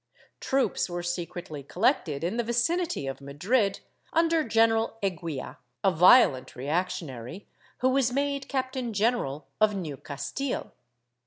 Troops were secretly collected in the vicinity of Madrid, under General Eguia, a violent reaction ary, who was made Captain general of New Castile.